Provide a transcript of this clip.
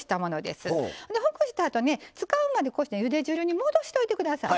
ほぐしたあと使うまでこうしてゆで汁に戻しておいて下さいね。